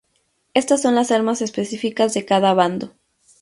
Estas son las armas específicas de cada bando.